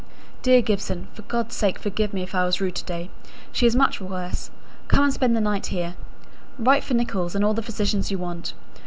DEAR GIBSON, For God's sake forgive me if I was rude to day. She is much worse. Come and spend the night here. Write for Nicholls, and all the physicians you want.